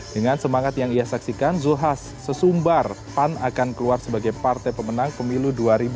dengan semangat yang ia saksikan zulkifli hasan sesumbar pan akan keluar sebagai partai pemenang pemilu dua ribu dua puluh